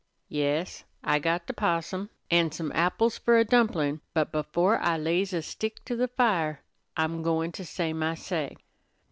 "Yes, I got the possum, an' also some apples fer a dumplin'; but before I lays a stick to the fire I'm goin' to say my say."